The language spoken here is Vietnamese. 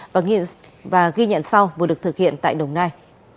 và ghi nhận sau vừa được thực hiện tại đồng nai